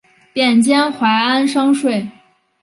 贬监怀安商税。